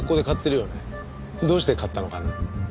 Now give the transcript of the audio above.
どうして買ったのかな？